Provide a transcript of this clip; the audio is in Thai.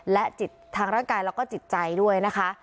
และทางรักกายและจิตใจด้วยนะคะ